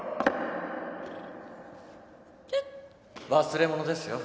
忘れ物ですよ。